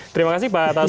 terima kasih pak tasun